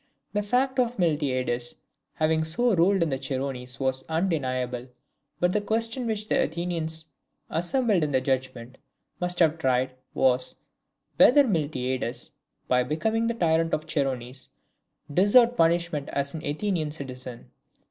The fact of Miltiades having so ruled in the Chersonese was undeniable; but the question which the Athenians, assembled in judgment, must have tried, was, whether Miltiades, by becoming tyrant of the Chersonese, deserved punishment as an Athenian citizen.